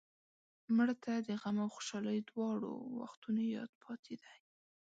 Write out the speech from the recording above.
مړه ته د غم او خوشحالۍ دواړو وختونو یاد پاتې دی